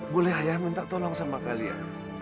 boleh ayah minta tolong sama kalian